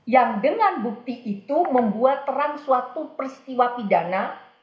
yang dengan bukti itu membuat terang suatu peristiwa pidana